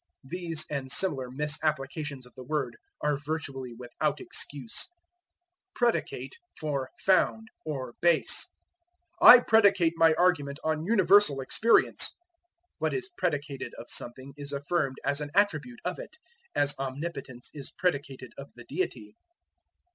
These and similar misapplications of the word are virtually without excuse. Predicate for Found, or Base. "I predicate my argument on universal experience." What is predicated of something is affirmed as an attribute of it, as omnipotence is predicated of the Deity.